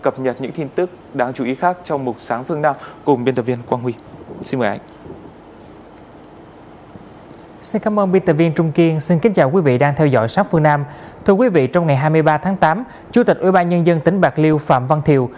chủ tịch ubnd tỉnh bạc liêu phạm văn thiều